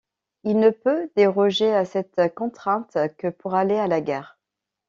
Il ne peut déroger à cette contrainte que pour aller à la guerre.